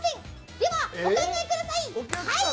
では、お考えください。